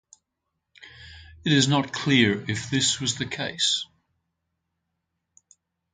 It is not clear if this was the case.